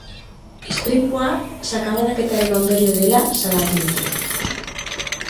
Istripua sakabanaketaren ondorio dela salatu dute.